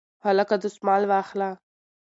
هلکه دستمال واخله